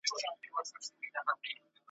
همېشه به یې تور ډک وو له مرغانو ,